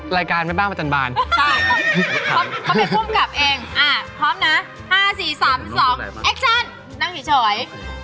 รายการแม่บ้านประจำบานใช่เขาเป็นภูมิกับเองพร้อมนะ๕๔๓๒แอคชั่นนั่งเฉย